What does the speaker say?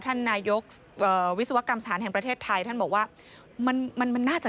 ท่านนายกเอ่อวิศวกรรมสถานแห่งประเทศไทยท่านบอกว่ามันมันน่าจะ